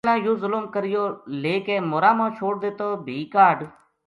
پہلاں یوہ ظلم کریو لے کے مورا ما چھوڑ دِتو بھی کاہڈ